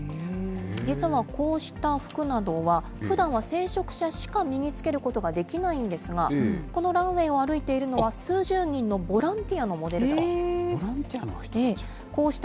実はこうした服などは、ふだんは聖職者しか身に着けることができないんですが、このランウエーを歩いているのは、数十人のボランティアのモデルたボランティアの人たち。